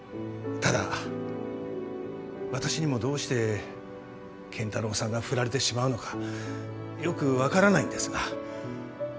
ただ私にもどうして健太郎さんがフラれてしまうのかよく分からないんですが。